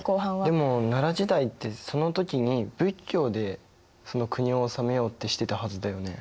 でも奈良時代ってその時に仏教でその国を治めようってしてたはずだよね。